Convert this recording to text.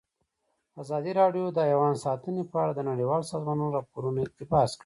ازادي راډیو د حیوان ساتنه په اړه د نړیوالو سازمانونو راپورونه اقتباس کړي.